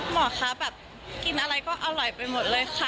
หมอคะแบบกินอะไรก็อร่อยไปหมดเลยค่ะ